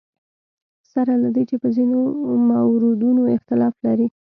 سره له دې چې په ځینو موردونو اختلاف لري.